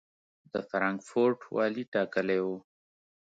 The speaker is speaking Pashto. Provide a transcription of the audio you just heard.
د فرانکفورټ والي ټاکلی و.